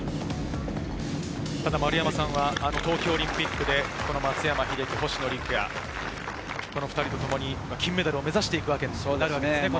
丸山さんは東京オリンピックで松山英樹、星野陸也、２人と共に金メダルを目指していくわけですね。